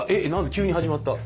急に始まった。